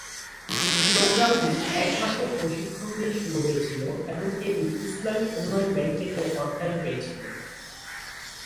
প্রোগ্রামটি এক মাসের প্রশিক্ষণ দিয়ে শুরু হয়েছিল এবং এটি ইসলামী উন্নয়ন ব্যাংক থেকে অর্থায়ন পেয়েছিলো।